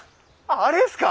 あれですか？